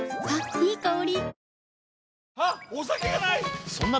いい香り。